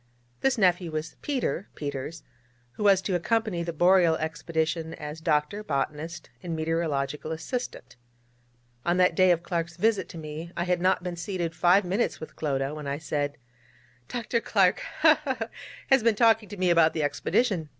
This nephew was Peter Peters, who was to accompany the Boreal expedition as doctor, botanist, and meteorological assistant. On that day of Clark's visit to me I had not been seated five minutes with Clodagh, when I said: 'Dr. Clark ha! ha! ha! has been talking to me about the Expedition.